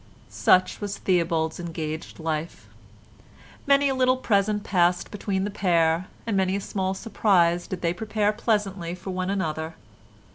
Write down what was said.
Such was Theobald's engaged life. Many a little present passed between the pair, and many a small surprise did they prepare pleasantly for one another.